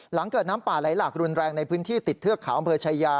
หลังเกิดน้ำป่าไหลหลากรุนแรงในพื้นที่ติดเทือกเขาอำเภอชายา